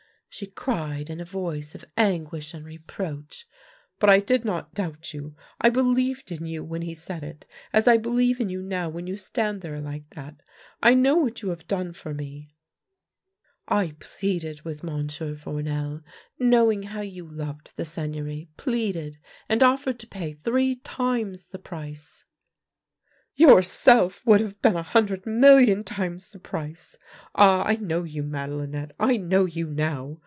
" she cried in a voice of anguish and reproach. " But I did not doubt you. I believed in you when he said it, as I believe in you now when you stand there like that. I know what you have done for me "" I pleaded with Monsieur Fournel, knowing how you loved the Seigneury — pleaded and offered to pay three times the price "" Yourself would have been a hundred million times the price! Ah, I know you, Madelinette — I know you now.